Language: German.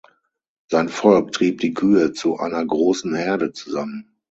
Sein Volk trieb die Kühe zu einer großen Herde zusammen.